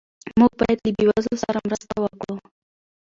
موږ باید له بې وزلو سره مرسته وکړو.